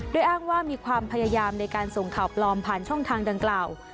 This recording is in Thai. โดยอ้างว่ามีความพยายามในการส่งข่าวปลอมผ่านช่องทางดังกล่าว